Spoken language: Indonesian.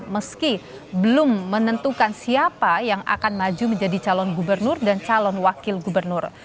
meski belum menentukan siapa yang akan maju menjadi calon gubernur dan calon wakil gubernur